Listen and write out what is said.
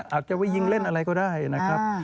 อาจจะไปยิงเล่นอะไรก็ได้นะครับ